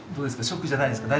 ショックじゃないですか？